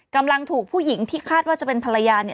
กำลังถูกผู้หญิงที่คาดว่าจะเป็นภรรยาเนี่ย